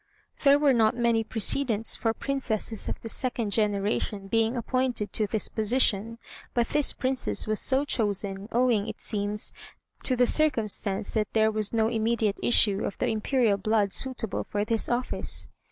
There were not many precedents for Princesses of the second generation being appointed to this position; but this Princess was so chosen, owing, it seems, to the circumstance that there was no immediate issue of the Imperial blood suitable for this office.